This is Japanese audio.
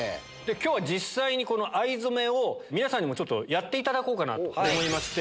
今日実際に藍染めを皆さんにもやっていただこうと思いまして。